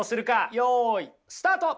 よいスタート。